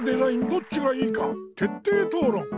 どっちがいいかてっていとうろん！